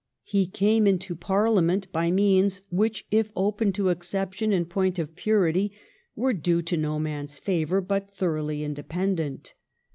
He came into Parliament by means which, if open to exception in point of purity, ^ were due to no man s favor, but thoroughly independent.